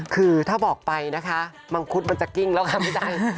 คือถ้าบอกไปนะคะมังครุดมันน่าจะกิ้งเล่าค่ะไม่ได้